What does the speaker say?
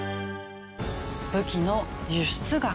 武器の輸出額。